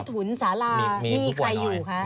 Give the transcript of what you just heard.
ถุนสารามีใครอยู่คะ